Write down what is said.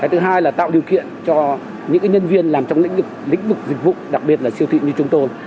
thứ hai là tạo điều kiện cho những nhân viên làm trong lĩnh vực lĩnh vực dịch vụ đặc biệt là siêu thị như chúng tôi